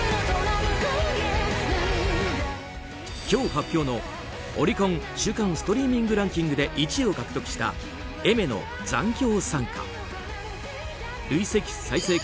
今日発表のオリコン週間ストリーミングランキングで１位を獲得したＡｉｍｅｒの「残響知歌」。